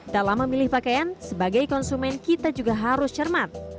dalam memilih pakaian sebagai konsumen kita juga harus cermat